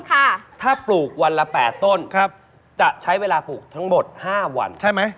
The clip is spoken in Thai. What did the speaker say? ค่ะถ้าปลูกวันละ๘ต้นจะใช้เวลาปลูกทั้งหมด๕วันใช่มั้ย